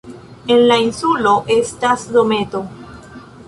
En la insulo estas dometo.